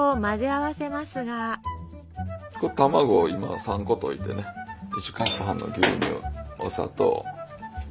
卵を今３個といてね１カップ半の牛乳お砂糖。